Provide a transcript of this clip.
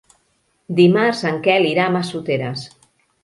Dimarts en Quel irà a Massoteres.